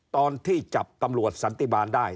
ตอนที่จับตำรวจสันติบาลได้